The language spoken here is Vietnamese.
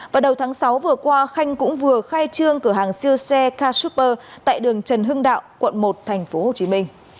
vào đầu tháng sáu vừa qua khanh cũng vừa khai trương cửa hàng siêu xe ka super tại đường trần hưng đạo quận một tp hcm